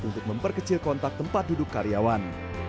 untuk memperkecil kontak tempat duduk karyawan